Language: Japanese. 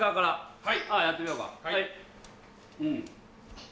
はい。